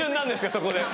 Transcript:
そこで。